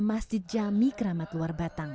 masjid jami keramat luar batang